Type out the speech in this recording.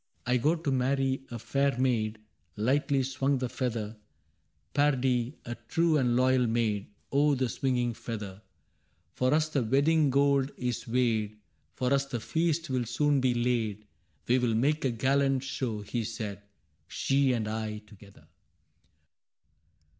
"' I go to marry a fair maid * {^Lightly swung the feather) —* Pardie^ a true and loyal maid * {Oh<f the swinging feather /)— CAPTAIN CRAIG 49 * For us the wedding gold is weighed^ For us the feast will soon be laid; We ^11 make a gallant show^ he said^ —' She and I together!